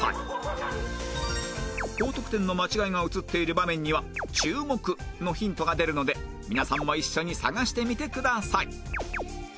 高得点の間違いが映っている場面には「注目」のヒントが出るので皆さんも一緒に探してみてください